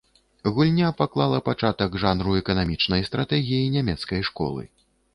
Гульня паклала пачатак жанру эканамічнай стратэгіі нямецкай школы.